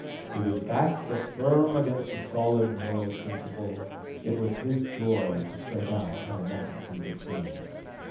With his back set firm against a solid moral principle, it was his joy to strike out at a multitude of foes.